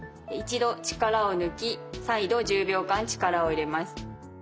一度力を抜き再度１０秒間力を入れます。